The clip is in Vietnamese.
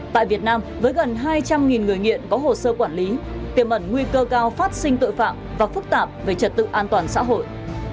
tại việt nam với gần hai trăm linh người nghiện có hồ sơ quản lý tiềm ẩn nguy cơ cao phát sinh tội phạm và phức tạp về trật tự an toàn xã hội